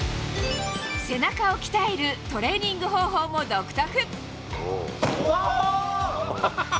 背中を鍛えるトレーニング方法も独特。